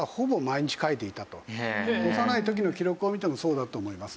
幼い時の記録を見てもそうだと思います。